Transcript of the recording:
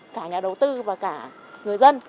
cả nhà đầu tư và cả người dân